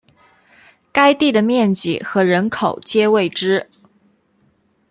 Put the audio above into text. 该地的面积和人口皆未知。